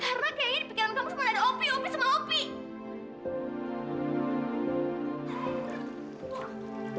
karena kayaknya di pikiran kamu semua ada opie opie sama opie